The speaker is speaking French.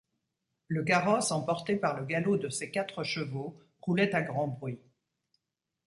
Le carrosse, emporté par le galop de ses quatre chevaux, roulait à grand bruit.